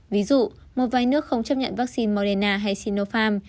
ví dụ một vài nước không chấp nhận vaccine moderna hay sinopharm